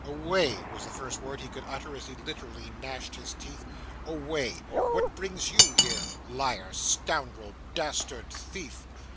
'Away!' was the first word he could utter as he literally gnashed his teeth. 'Away! What brings you here? Liar, scoundrel, dastard, thief!